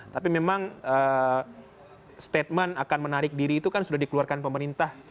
tapi memang statement akan menarik diri itu kan sudah dikeluarkan pemerintah